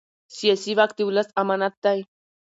سیاسي واک د ولس امانت دی